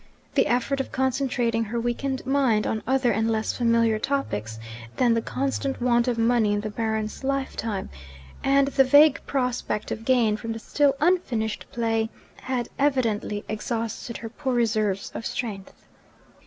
The effort of concentrating her weakened mind on other and less familiar topics than the constant want of money in the Baron's lifetime, and the vague prospect of gain from the still unfinished play, had evidently exhausted her poor reserves of strength.